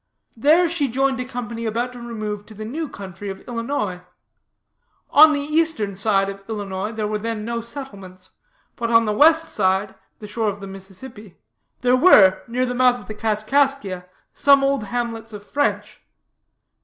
There she joined a company about to remove to the new country of Illinois. On the eastern side of Illinois there were then no settlements; but on the west side, the shore of the Mississippi, there were, near the mouth of the Kaskaskia, some old hamlets of French.